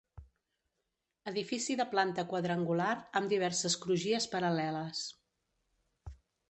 Edifici de planta quadrangular amb diverses crugies paral·leles.